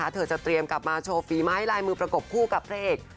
เธอจะเตรียมกลับมาโชว์ฝีไม้ลายมือประกบคู่กับพระเอก